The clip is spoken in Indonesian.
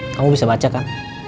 kamu bisa baca kan